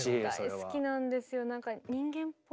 大好きなんですよ。